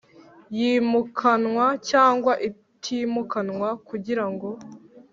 yimukanwa cyangwa itimukanwa kugirango